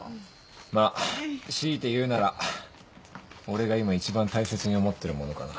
まっ強いて言うなら俺が今一番大切に思ってるものかな。